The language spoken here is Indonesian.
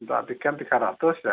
untuk antigen tiga ratus ya